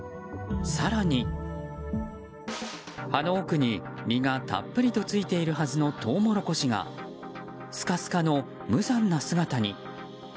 更に、葉の奥に実がたっぷりとついているはずのトウモロコシがスカスカの無残な姿に。